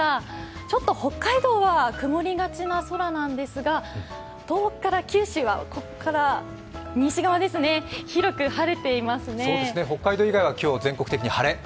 ちょっと北海道は曇りがちな空なんですが東北から九州、東北から西側ですね、広く晴れていますね。北海道以外は今日、全国的に晴れ。